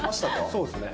そうですね。